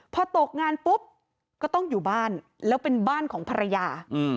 พอตกงานปุ๊บก็ต้องอยู่บ้านแล้วเป็นบ้านของภรรยา